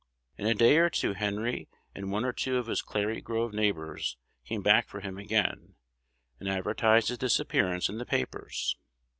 In a day or two Henry and one or two of his Clary Grove neighbors came back for him again, and advertised his disappearance in the papers.